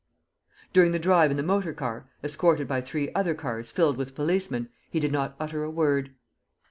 During the drive in the motor car, escorted by three other cars filled with policemen, he did not utter a word.